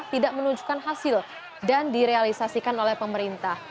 tidak menunjukkan hasil dan direalisasikan oleh pemerintah